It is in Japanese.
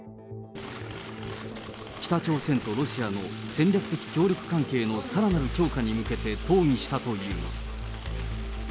北朝鮮とロシアの戦略的協力関係のさらなる強化に向けて討議したという。